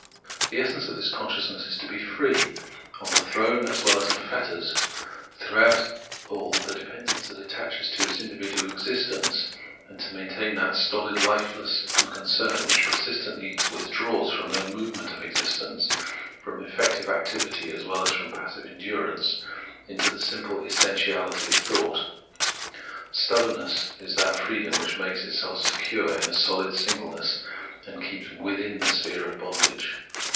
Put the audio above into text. Stoicism 193 The essence of this consciousness is to be free, on the throne as well as in fetters, throughout all the depend ence that attaches to its individual existence, and to maintain that stohd lifeless unconcern which persistently withdraws from the movement of existence, from effective activity as well as from passive endurance, into the simple essentiahty of thought. Stubbornness is that freedom which makes itself secure in a sohd singleness, and keeps vjithin the sphere of bondage.